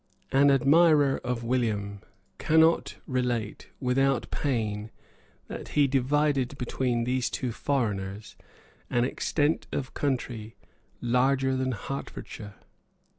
An admirer of William cannot relate without pain that he divided between these two foreigners an extent of country larger than Hertfordshire.